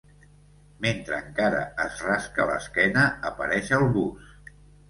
Mentre encara es rasca l'esquena, apareix el bus.